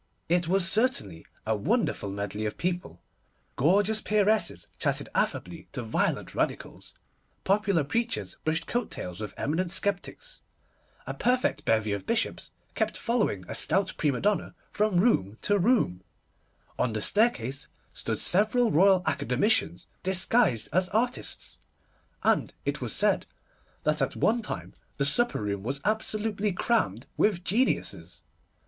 It was certainly a wonderful medley of people. Gorgeous peeresses chatted affably to violent Radicals, popular preachers brushed coat tails with eminent sceptics, a perfect bevy of bishops kept following a stout prima donna from room to room, on the staircase stood several Royal Academicians, disguised as artists, and it was said that at one time the supper room was absolutely crammed with geniuses.